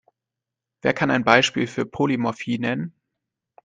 Wer kann ein Beispiel für Polymorphie nennen?